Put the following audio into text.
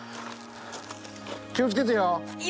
気をつけてよ。